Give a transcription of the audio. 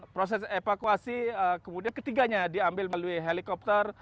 proses evakuasi kemudian ketiganya diambil melalui helikopter